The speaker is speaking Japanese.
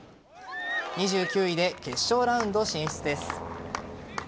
２９位で決勝ラウンド進出です。